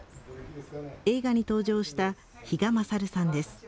映画に登場した比嘉優さんです。